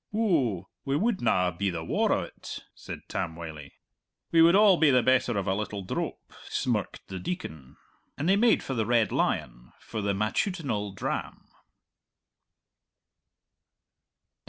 "Ou, we wouldna be the waur o't," said Tam Wylie. "We would all be the better of a little drope," smirked the Deacon. And they made for the Red Lion for the matutinal dram.